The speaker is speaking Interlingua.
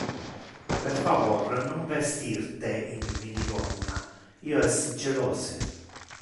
Per favor, non vestir te in minigonna, io es jelose.